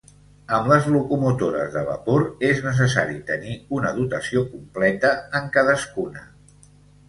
Amb les locomotores de vapor és necessari tenir una dotació completa en cadascuna.